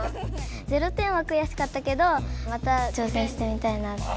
０点はくやしかったけどまた挑戦してみたいな。